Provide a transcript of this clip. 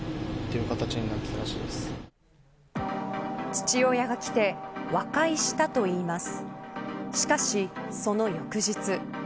父親が来て和解したといいます。